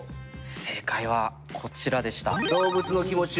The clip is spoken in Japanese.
正解はこちらでした。